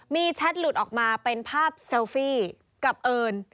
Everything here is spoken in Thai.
มีแชทหลุดออกมาเป็นภาพเซลฟี่กับเอิญ